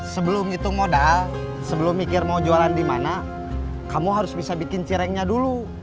sebelum ngitung modal sebelum mikir mau jualan dimana kamu harus bisa bikin cirengnya dulu